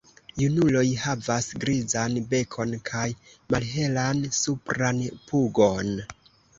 Junuloj havas grizan bekon kaj malhelan supran pugon.